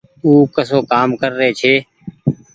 او ڪسو ڪآم ڪرري ڇي